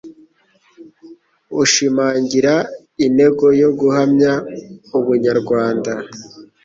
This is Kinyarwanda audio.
ushimangira intego yo guhamya ubunyarwanda.